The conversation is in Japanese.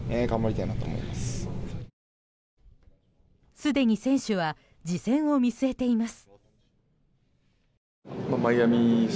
すでに選手は次戦を見据えています。